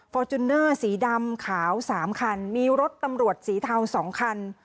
จุนเนอร์สีดำขาว๓คันมีรถตำรวจสีเทา๒คัน